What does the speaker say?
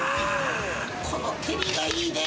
この照りがいいね！